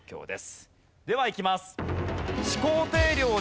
ではいきます。